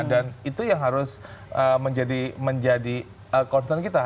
itu yang harus menjadi concern kita